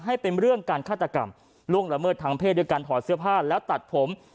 ให้เป็นเรื่องการฆาตกรรมล่วงละเมิดทางเพศด้วยการถอดเสื้อผ้าแล้วตัดผม